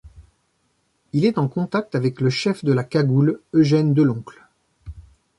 Il est en contact avec le chef de la Cagoule, Eugène Deloncle.